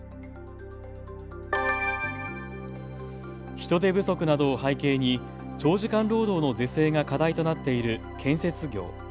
人手不足などを背景に長時間労働の是正が課題となっている建設業。